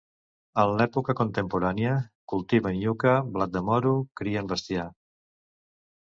En l'època contemporània, cultiven iuca, blat de moro, crien bestiar.